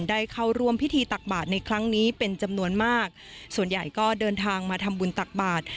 ได้เข้าร่วมพิธีตักบาทในครั้งนี้เป็นจำนวนมากส่วนใหญ่ก็เดินทางมาทำบุญตักบาท